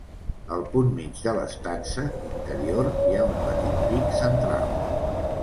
Al punt mig de l'estança interior hi ha un petit pic central.